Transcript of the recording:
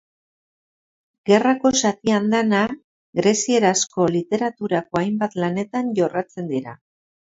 Gerrako zati andana grezierazko literaturako hainbat lanetan jorratzen dira.